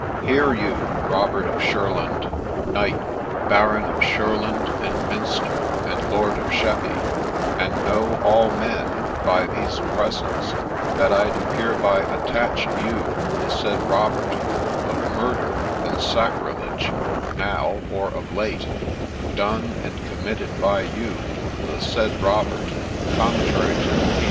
' Hear you, Robert de Shurland, Knight, Baron of Shurland and Minster, and Lord of Sheppey, and know all men, by these presents, that I do hereby attach you, the said Robert, of murder and sacrilege, now, or of late, done and committed by you, the said Robert, contrary to the peac?